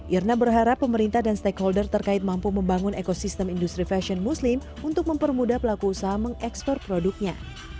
irna berharap pemerintah dan stakeholder terkait mampu membangun ekosistem industri fashion muslim untuk mempermudah pelaku usaha mengekspor produknya